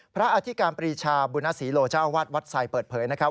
พระอธิกรรมปริชาบุญศรีโลเจ้าอวัดวัดทรายเปิดเผยนะครับ